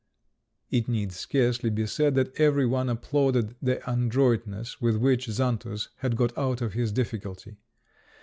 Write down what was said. It need scarcely be said that every one applauded the adroitness with which Xantus had got out of his difficulty.